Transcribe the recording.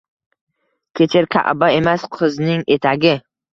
Kechir, Ka’ba emas, qizning etagi